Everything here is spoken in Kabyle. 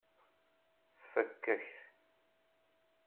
Tfakk-ak-t.